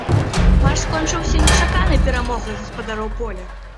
Матч скончыўся нечаканай перамогай гаспадароў поля.